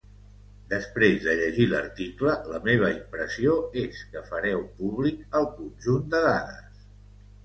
Després de llegir l'article, la meva impressió és que fareu públic el conjunt de dades.